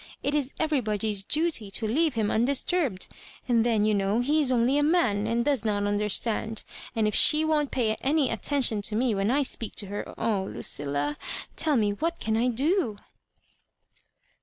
It is everybody's duty to leave liira undisturbed ; and then, you know, he is only a man, and does not understand ; and if she won't pay any attention to me when I speak to her, oh, Lucilla, tell me, what can I do